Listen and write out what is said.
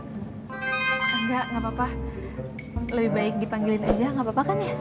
enggak nggak apa apa lebih baik dipanggilin aja gak apa apa kan ya